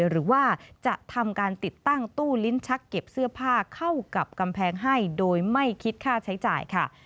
หรือว่าจะทำการติดตั้งตู้ลิ้นชักเก็บเสื้อผ้าเข้ากับกำแพงให้โดยไม่คิดค่าใช้จ่ายค่ะ